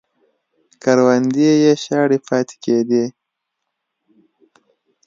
کروندې یې شاړې پاتې کېدې